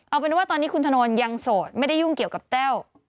เอาเป็นว่าตอนนี้คุณถนนยังโสดไม่ได้ยุ่งเกี่ยวกับแต้ว